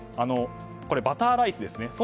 これ、バターライスですね。